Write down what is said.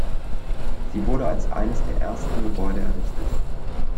Sie wurde als eines der ersten Gebäude errichtet.